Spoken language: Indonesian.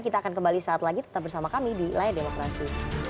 kita akan kembali saat lagi tetap bersama kami di layar demokrasi